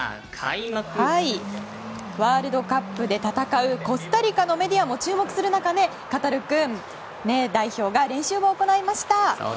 ワールドカップで戦うコスタリカのメディアも注目する中カタルくん、代表が練習を行いました。